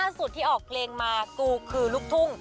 ล่าสุดที่ออกเลงมากุคือลุภุ่ง